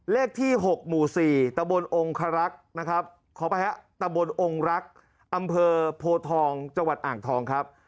เลขที่๖หมู่๔ตะบนองคารักษ์นะครับขอไปฮะตะบนองค์รักอำเภอโพทองจังหวัดอ่างทองครับ